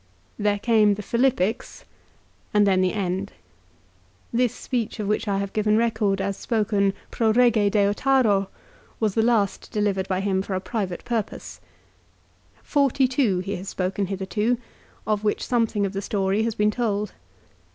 There came the Philippics, and then the end. This speech of which I have given record as spoken " Pro Eege Deiotaro " was the last delivered by him for a private purpose. Forty two he has spoken hitherto, of which something of the story has been told.